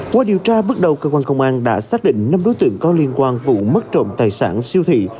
qua điều tra bước đầu cơ quan công an đã xác định năm đối tượng có liên quan vụ mất trộm tài sản siêu thị